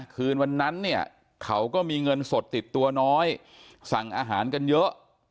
คืนวันนั้นเนี่ยเขาก็มีเงินสดติดตัวน้อยสั่งอาหารกันเยอะ